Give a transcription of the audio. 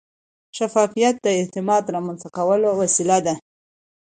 شفافیت د اعتماد رامنځته کولو وسیله ده.